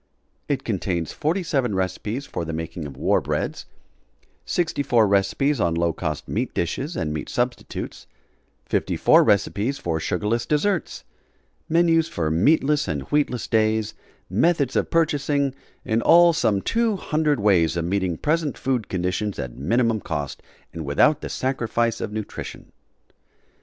It contains 47 recipes for the making of war breads; 64 recipes on low cost meat dishes and meat substitutes; 54 recipes for sugarless desserts; menus for meatless and wheatless days, methods of purchasing in all some two hundred ways of meeting present food conditions at minimum cost and without the sacrifice of nutrition.